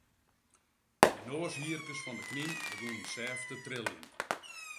De noashierkes fan de knyn begûnen sêft te triljen.